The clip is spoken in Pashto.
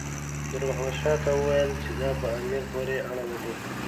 نور محمد شاه ته وویل چې دا په امیر پورې اړه لري.